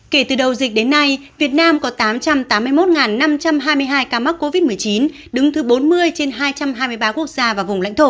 kể từ đầu dịch đến nay việt nam có tám trăm tám mươi một năm trăm hai mươi hai ca mắc covid một mươi chín đứng thứ bốn mươi trên hai trăm hai mươi ba quốc gia và vùng lãnh thổ